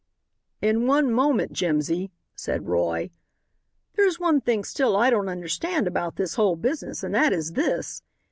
"In one moment, Jimsy," said Roy. "There's one thing still I don't understand about this whole business, and that is this.